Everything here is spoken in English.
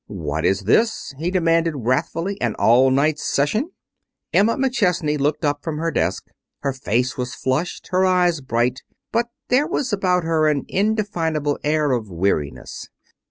"What is this?" he demanded wrathfully, "an all night session?" Emma McChesney looked up from her desk. Her face was flushed, her eyes bright, but there was about her an indefinable air of weariness.